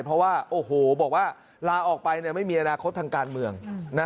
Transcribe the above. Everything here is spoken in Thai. เพราะว่าโอ้โหบอกว่าลาออกไปไม่มีอนาคตทางการเมือง